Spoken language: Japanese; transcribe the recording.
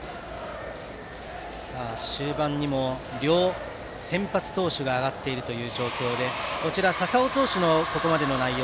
終盤にも両先発投手が上がっている状況で笹尾投手のここまでの内容